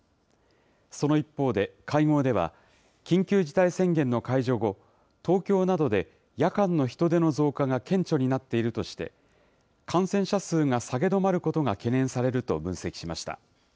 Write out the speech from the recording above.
その一方で、会合では、緊急事態宣言の解除後、東京などで夜間の人出の増加が顕著になっているとして、感染者数が下げ止まることが懸念されると分析しました。